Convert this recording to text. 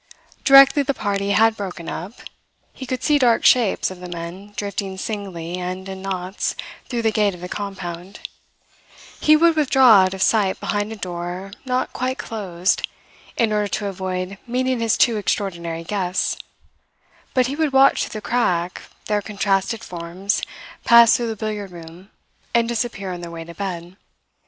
Directly the party had broken up, (he could see dark shapes of the men drifting singly and in knots through the gate of the compound), he would withdraw out of sight behind a door not quite closed, in order to avoid meeting his two extraordinary guests; but he would watch through the crack their contrasted forms pass through the billiard room and disappear on their way to bed.